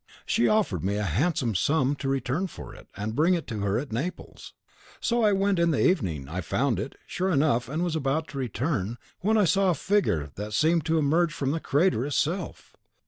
She offered me a handsome sum to return for it, and bring it to her at Naples. So I went in the evening. I found it, sure enough, and was about to return, when I saw a figure that seemed to emerge from the crater itself.